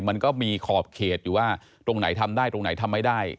มันก็มีขอบเขตอยู่ว่าตรงไหนทำได้ตรงไหนทำไม่ได้